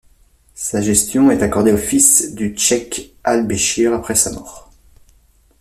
Sa gestion est accordée aux fils du cheikh Al-Béchir après sa mort.